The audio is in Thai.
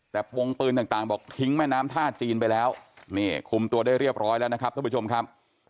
แต่ปวงปืนต่างบอกทิ้งแม่น้ำท่าจีนไปแล้วนี่คุมตัวได้เรียบร้อยแล้วนะครับท่านผู้ชมครับ